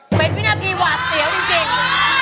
ไปพี่นาทิหวับเสียวิ่งจริงจริง